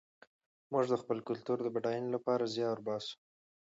موږ د خپل کلتور د بډاینې لپاره زیار باسو.